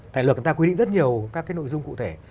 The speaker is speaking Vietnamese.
tại luật người ta quy định rất nhiều các nội dung cụ thể